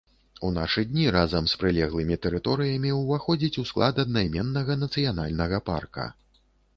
У нашы дні разам з прылеглымі тэрыторыямі ўваходзіць у склад аднайменнага нацыянальнага парка.